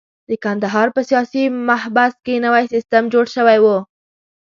د کندهار په سیاسي محبس کې نوی سیستم جوړ شوی وو.